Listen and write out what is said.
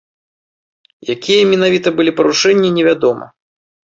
Якія менавіта былі парушэнні, невядома.